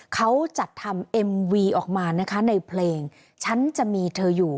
เขาจัดทำเอ็มวีออกมานะคะในเพลงฉันจะมีเธออยู่